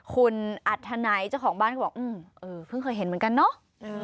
คุณอัธนัยเจ้าของบ้านก็บอกเออเพิ่งเคยเห็นเหมือนกันเนาะ